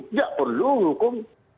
tidak perlu hukum